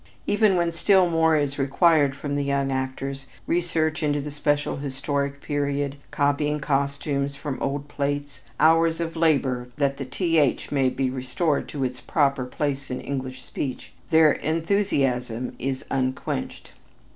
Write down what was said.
Even when still more is required from the young actors, research into the special historic period, copying costumes from old plates, hours of labor that the "th" may be restored to its proper place in English speech, their enthusiasm is unquenched.